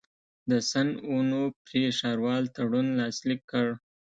د سن اونوفري ښاروال تړون لاسلیک کړ.